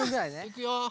いくよ。